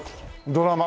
ドラマ。